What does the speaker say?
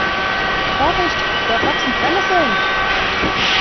Vorsicht, dort wachsen Brennnesseln.